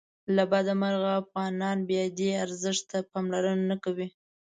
له بده مرغه افغانان بیا دې ارزښت ته پاملرنه نه کوي.